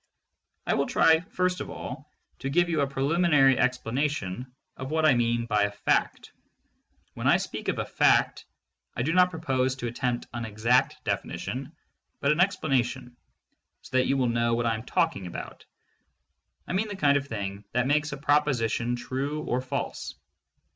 I will try first of all to give you a preliminary ex planation of what I mean by a "fact." When I speak of a fact — I do not propose to attempt an exact definition, but an explanation, so that you will know what I am talking about — I mean the kind of thing that makes a proposition true or false.